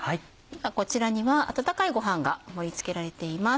こちらには温かいご飯が盛り付けられています。